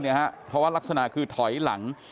เพราะว่ารักษณะคือถอยหลัง